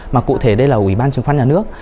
mà cụ thể đây là ủy ban chứng khoán nhà nước